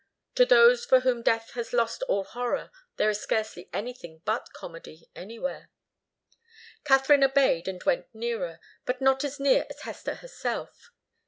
To those for whom death has lost all horror, there is scarcely anything but comedy, anywhere. Katharine obeyed and went nearer, but not as near as Hester herself.